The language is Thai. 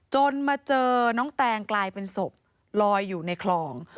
มาเจอน้องแตงกลายเป็นศพลอยอยู่ในคลอง